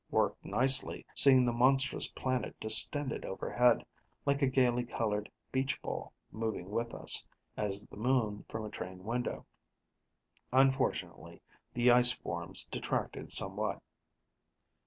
Worked nicely, seeing the monstrous planet distended overhead, like a gaily colored beach ball moving with us, as the moon from a train window. Unfortunately, the ice forms detracted somewhat.